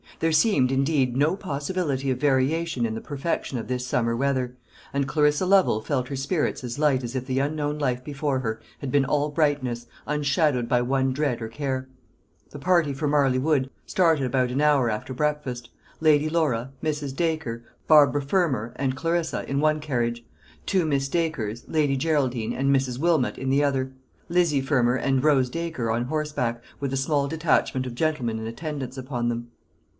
There seemed, indeed, no possibility of variation in the perfection of this summer weather; and Clarissa Lovel felt her spirits as light as if the unknown life before her had been all brightness, unshadowed by one dread or care. The party for Marley Wood started about an hour after breakfast Lady Laura, Mrs. Dacre, Barbara Fermor, and Clarissa, in one carriage; two Miss Dacres, Lady Geraldine, and Mrs. Wilmot in the other; Lizzy Fermor and Rose Dacre on horseback; with a small detachment of gentlemen in attendance upon them.